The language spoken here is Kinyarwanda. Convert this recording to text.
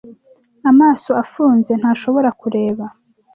amaso afunze ntashobora kureba